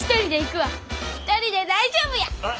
一人で大丈夫や！